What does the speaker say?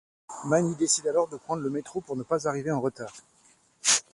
Manni décide alors de prendre le métro pour ne pas arriver en retard.